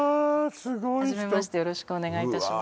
すごい人よろしくお願いいたします